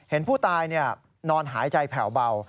เห็นผู้ตายนอนหายใจแผ่วเบา